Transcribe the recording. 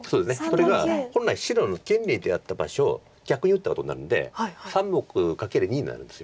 それが本来白の権利であった場所を逆に打ったことになるんで３目掛ける２になるんです。